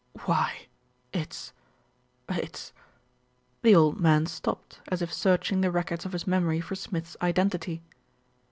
"Why, it's, it's " the old man stopped, as if search ing the records of his memory for Smith's identity.